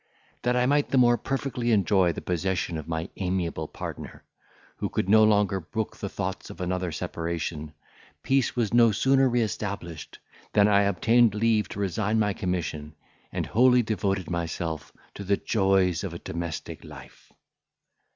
That I might the more perfectly enjoy the possession of my amiable partner, who could no longer brook the thoughts of another separation, peace was no sooner re established than I obtained leave to resign my commission, and I wholly devoted myself to the joys of a domestic life.